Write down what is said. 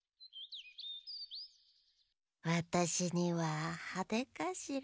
わたしにははでかしら。